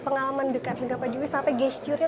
pengalaman dekat hingga pak jokowi sampai gesturnya